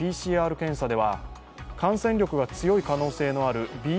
ＰＣＲ検査では感染力が強い可能性があるＢＡ．